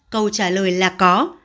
câu trả lời là có